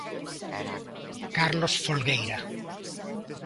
Carlos Folgueira.